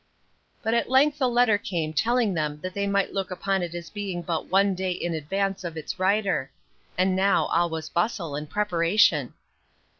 But at length a letter came telling them that they might look upon it as being but one day in advance of its writer; and now all was bustle and preparation.